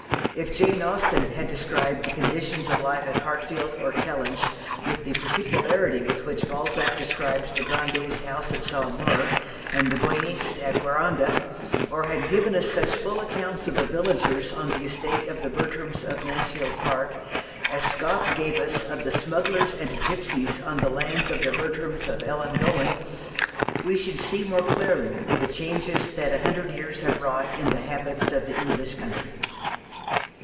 If Jane Austen had described the conditions of life at Hartfield or Kellynch with the particularity with which Balzac describes the Grandets' house at Saumur, and the Guenics' at Guerande, or had given us such full accounts of the villagers on the estate of the Bertrams of Mansfield Park as Scott gave us of the smugglers and gipsies on the lands of the Bertrams of Ellangowan, we should see more clearly the changes that a hundred years have wrought in the habits of the English country.